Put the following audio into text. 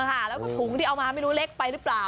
แล้วก็ถุงที่เอามาไม่รู้เล็กไปหรือเปล่า